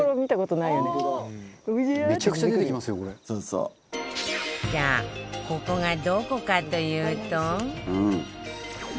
さあここがどこかというと。